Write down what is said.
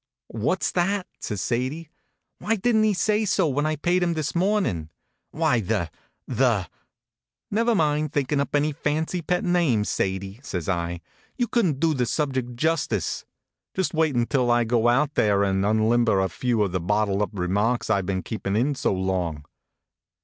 "What s that?" says Sadie. "Why didn t he say so when I paid him this morn ing? Why, the the "" Never mind thinkin up any fancy pet names, Sadie," says I. You couldn t do the subject justice. Just wait until I go out there and unlimber a few of the bottled up remarks I ve been keepin in so long."